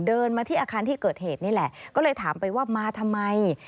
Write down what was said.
เดินมาที่อาคารที่เกิดเหตุนี่แหละก็เลยถามไปว่ามาทำไม